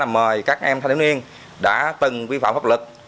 mời các em thanh thiếu niên đã từng vi phạm pháp lực